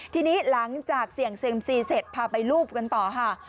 ทีนี้หลังจากเสี่ยงเซ็มซีเสร็จพาไปรูปกันต่อค่ะ